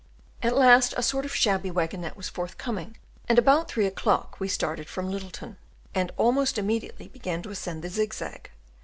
At last a sort of shabby waggonette was forthcoming, and about three o'clock we started from Lyttleton, and almost immediately began to ascend the zig zag.